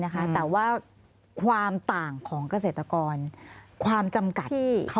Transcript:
แต่ว่าความต่างของเกษตรกรความจำกัด